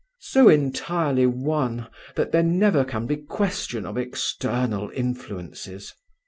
"So entirely one, that there never can be question of external influences.